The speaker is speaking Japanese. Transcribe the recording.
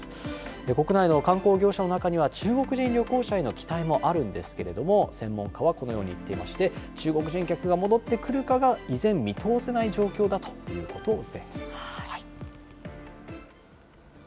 国内の観光業者の中には、中国人旅行者への期待もあるんですけれども、専門家はこのように言っていまして、中国人客が戻ってくるかが依然見通せない状況だということです。